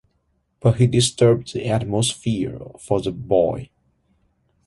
But he disturbed the atmosphere for the boy.